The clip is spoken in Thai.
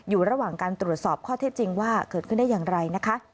อยู่ระหว่างการตรวจสอบข้อเท็จจริงว่าเกิดขึ้นได้อย่างไรนะคะ